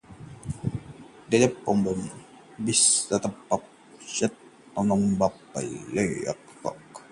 गंदगी साफ करने का अभियान